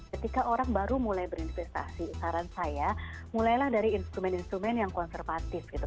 ketika orang baru mulai berinvestasi saran saya mulailah dari instrumen instrumen yang konservatif gitu